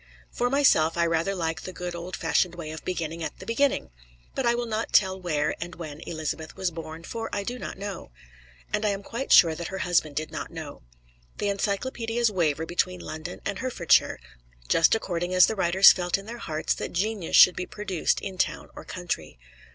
For myself, I rather like the good old fashioned way of beginning at the beginning. But I will not tell where and when Elizabeth was born, for I do not know. And I am quite sure that her husband did not know. The encyclopedias waver between London and Herefordshire, just according as the writers felt in their hearts that genius should be produced in town or country.